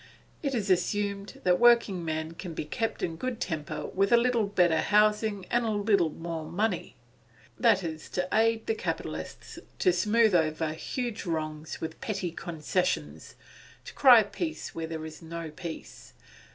It is assumed that working men can be kept in a good temper with a little better housing and a little more money. That is to aid the capitalists, to smooth over huge wrongs with petty concessions, to cry peace where there is no peace.